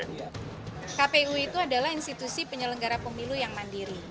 kpu itu adalah institusi penyelenggara pemilu yang mandiri